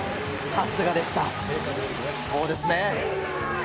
さすがでした。